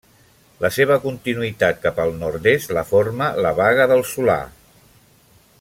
La seva continuïtat cap al nord-est la forma la Baga del Solà.